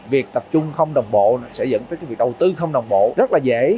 việc tập trung không đồng bộ sẽ dẫn tới việc đầu tư không đồng bộ rất dễ